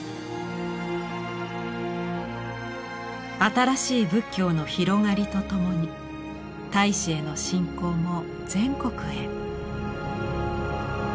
新しい仏教の広がりとともに太子への信仰も全国へ。